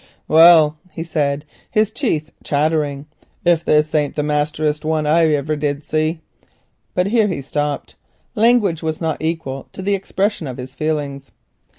"Well," he said, his teeth chattering, "if this ain't the masterest one that iver I did see." But here he stopped, language was not equal to the expression of his feelings.